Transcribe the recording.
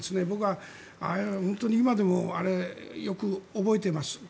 僕は本当に今でもあれをよく覚えています。